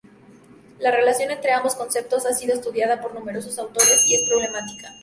La relación entre ambos conceptos ha sido estudiada por numerosos autores y es problemática.